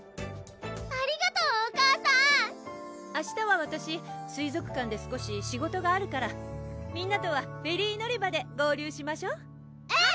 ありがとうお母さん明日はわたし水族館で少し仕事があるからみんなとはフェリー乗り場で合流しましょうん！